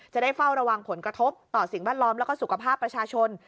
จะได้เฝ้าระวังผลกระทบต่อสิ่งแวดล้อมแล้วก็สุขภาพประชาชน